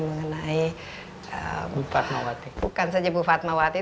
mengenai bukan saja bu fatmawati